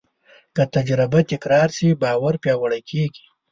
که تجربه تکرار شي، باور پیاوړی کېږي.